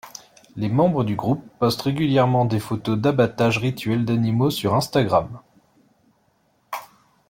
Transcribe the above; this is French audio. Les membres du groupe postent régulièrement des photos d'abattage rituel d'animaux sur Instagram.